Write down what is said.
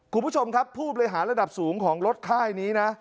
คุณผู้ชมครับผู้บริหารระดับสูงของรถค่ายนี้นะ